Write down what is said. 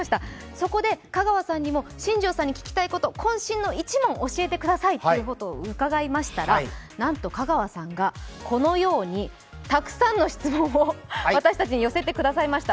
そこで香川さんにも新庄さんに聞きたいことこん身の１問教えてくださいとうかがいましたがなんと香川さんが、このようにたくさんの質問を私たちに寄せてくださいました。